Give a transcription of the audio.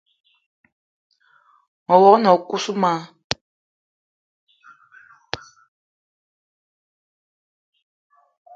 Me wog-na o kousma: